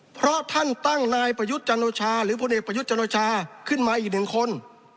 เพราะท่านตั้งนายประยุทธ์จันโอชาหรือพลเอกประยุทธ์จันโอชาขึ้นมาอีกหนึ่งคน